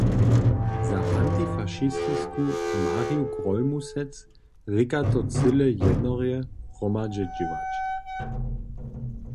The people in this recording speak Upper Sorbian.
Za antifašistku Marju Grólmusec rěka to cyle jednorje hromadźe dźěłać.